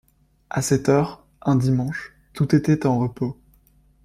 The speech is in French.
À cette heure, un dimanche, tout était en repos.